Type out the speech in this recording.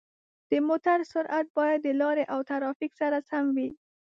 د موټر سرعت باید د لارې او ترافیک سره سم وي.